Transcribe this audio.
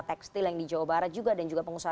tekstil yang di jawa barat juga dan juga pengusaha